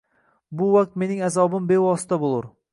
Bu vaqt mening azobim bevosita bo’lur.